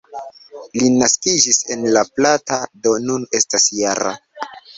Li naskiĝis en La Plata, do nun estas -jara.